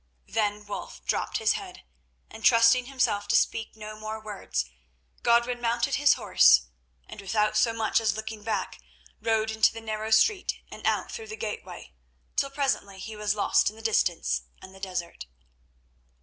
Then Wulf dropped his head, and trusting himself to speak no more words, Godwin mounted his horse, and, without so much as looking back, rode into the narrow street and out through the gateway, till presently he was lost in the distance and the desert.